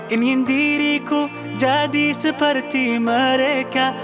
ingin diriku jadi seperti mereka